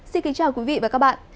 xin kính chào quý vị và các bạn